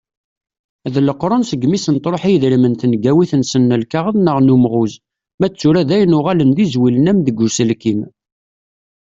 D leqrun segmi i sen-truḥ i yedrimen tengawit-nsen n lkaɣeḍ neɣ n umɣuz. Ma d tura dayen uɣalen d izwilen am deg uselkim.